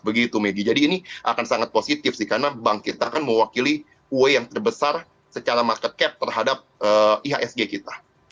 begitu megi jadi ini akan sangat positif sih karena bank kita kan mewakili kue yang terbesar secara market cap terhadap ihsg kita